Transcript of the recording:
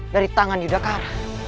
dari tangan yudhaka